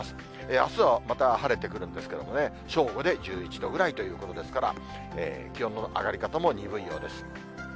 あすはまた晴れてくるんですけれどもね、正午で１１度ぐらいということですから、気温の上がり方も鈍いようです。